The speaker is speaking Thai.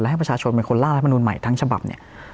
ให้ประชาชนเป็นคนล่างรัฐมนุนใหม่ทั้งฉบับเนี่ย